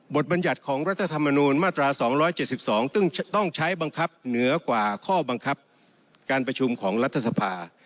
บัญญัติของรัฐธรรมนูญมาตรา๒๗๒ซึ่งต้องใช้บังคับเหนือกว่าข้อบังคับการประชุมของรัฐสภา